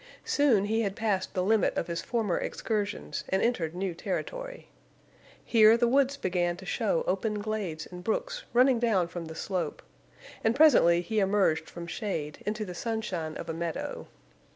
Soon he had passed the limit of his former excursions and entered new territory. Here the woods began to show open glades and brooks running down from the slope, and presently he emerged from shade into the sunshine of a meadow.